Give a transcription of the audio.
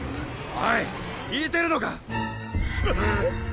おい聞いてるのか⁉あっ！